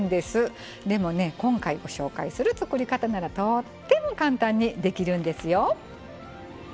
でもね今回ご紹介する作り方ならとっても簡単にできるんですよ。